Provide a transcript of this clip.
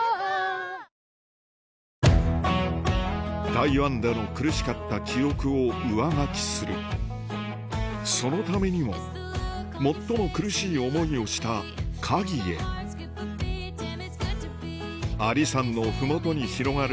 台湾での苦しかった記憶を上書きするそのためにも最も苦しい思いをした嘉義へ阿里山の麓に広がる